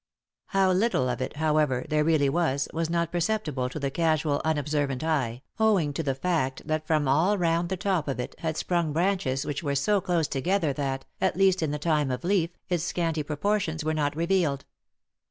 How little of it, however, there really was, was not perceptible to the casual, unobservant eye, owing to the fact that from all round the top of it had sprung branches which were so close together that, at least in the time of leaf, its scanty proportions were not revealed.